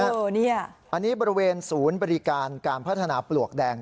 อันนี้บริเวณศูนย์บริการการพัฒนาปลวกแดง